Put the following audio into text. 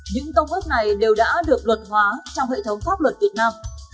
những công ước này đều đã được luật hóa trong hệ thống pháp luật việt nam